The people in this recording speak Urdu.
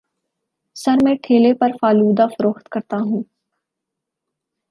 سر میں ٹھیلے پر فالودہ فروخت کرتا ہوں